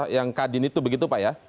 yang kadin itu begitu pak ya